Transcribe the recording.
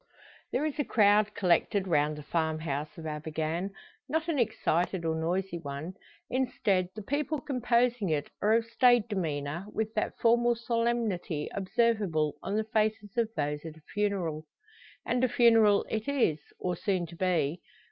There is a crowd collected round the farmhouse of Abergann. Not an excited, or noisy one; instead, the people composing it are of staid demeanour, with that formal solemnity observable on the faces of those at a funeral. And a funeral it is, or soon to be.